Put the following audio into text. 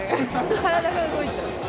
体が動いちゃう。